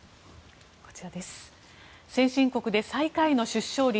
先進国で最下位の出生率